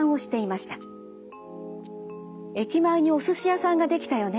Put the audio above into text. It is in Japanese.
「駅前にお寿司屋さんができたよね。